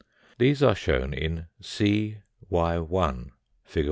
These are shown in C.yu fig.